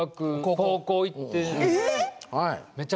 高校行って。